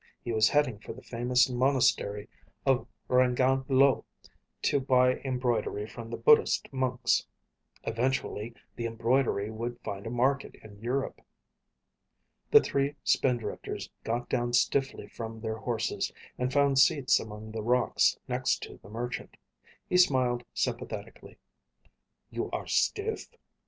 He was heading for the famous monastery of Rangan Lo to buy embroidery from the Buddhist monks. Eventually, the embroidery would find a market in Europe. The three Spindrifters got down stiffly from their horses and found seats among the rocks next to the merchant. He smiled sympathetically. "You are stiff?